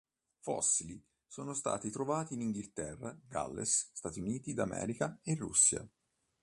Fossili sono stati trovati in Inghilterra, Galles, Stati Uniti d'America e Russia.